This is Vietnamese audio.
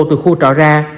từ khu trọ ra